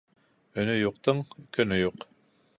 Өнө юҡтың көнө юҡ.